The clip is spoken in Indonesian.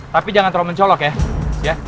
tapi jangan terlalu mencolok ya